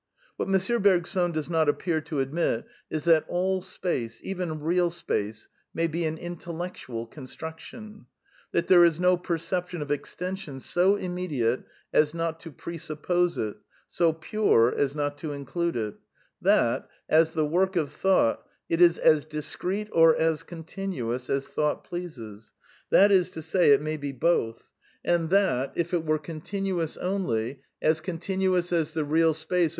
What M. Bergson does not appear to admit is that all space, even *^ real space," may be an intellectual construc V tion ; that there is no perception of extension so immediate \as not to presuppose it, so pure as not to include it ; that, ps the work of thought, it is as discrete or as continuous as thought pleases, that is to say, it may be both; and that, if 66 A DEFENCE OF IDEALISM it were continuous only, as continuous as the real space of M.